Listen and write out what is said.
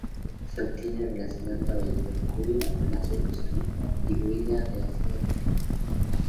Se obtiene reaccionando el mercurio con una solución diluida de ácido nítrico.